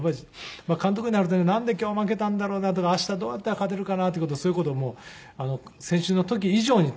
監督になるとなんで今日負けたんだろうなとか明日どうやったら勝てるかなっていう事をそういう事を選手の時以上に突き詰めなきゃいけない。